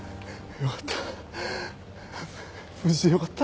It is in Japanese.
よかった。